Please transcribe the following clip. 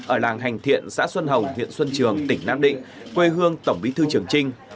ở làng hành thiện xã xuân hồng huyện xuân trường tỉnh nam định quê hương tổng bí thư trường trinh